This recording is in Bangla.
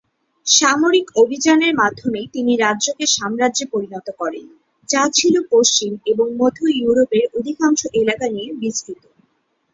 সামরিক অভিযানের মাধ্যমে তিনি রাজ্যকে সাম্রাজ্যে পরিণত করেন, যা ছিল পশ্চিম এবং মধ্য ইউরোপের অধিকাংশ এলাকা নিয়ে বিস্তৃত।